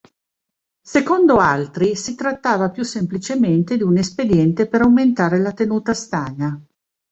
Secondo altri, si trattava più semplicemente di un espediente per aumentare la tenuta stagna.